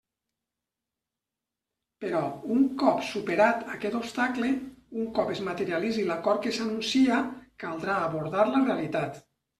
Però un cop superat aquest obstacle, un cop es materialitzi l'acord que s'anuncia, caldrà abordar la realitat.